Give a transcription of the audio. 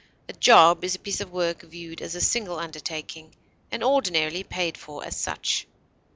A job is a piece of work viewed as a single undertaking, and ordinarily paid for as such.